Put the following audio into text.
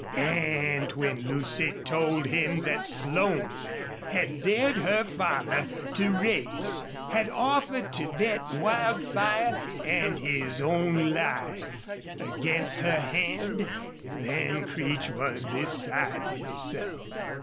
And when Lucy told him that Slone had dared her father to race, had offered to bet Wildfire and his own life against her hand, then Creech was beside himself.